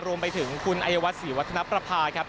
รวมไปถึงคุณอายวัฒนศรีวัฒนประภาครับ